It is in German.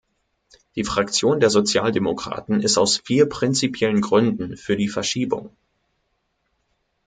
Die Fraktion der Sozialdemokraten ist aus vier prinzipiellen Gründen für die Verschiebung.